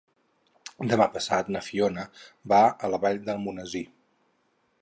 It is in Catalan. Demà passat na Fiona va a la Vall d'Almonesir.